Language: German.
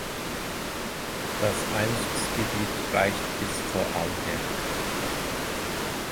Das Einzugsgebiet reicht bis Vorarlberg.